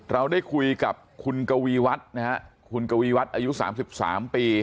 เราได้คุยกับคุณกวีวัฒน์นะฮะคุณกวีวัฒน์อายุ๓๓ปี